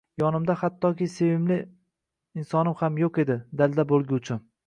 Yonimda hattoki sevimli insonim ham yo`q edi dalda bo`lguvchi